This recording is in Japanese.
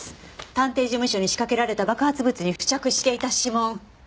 探偵事務所に仕掛けられた爆発物に付着していた指紋。